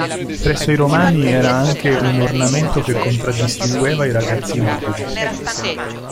Presso i Romani era anche un ornamento che contraddistingueva i ragazzi nobili.